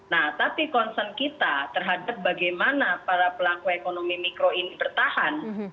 nah tapi concern kita terhadap bagaimana para pelaku ekonomi mikro ini bertahan